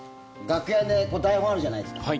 楽屋で台本あるじゃないですか。